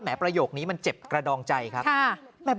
ประโยคนี้มันเจ็บกระดองใจครับ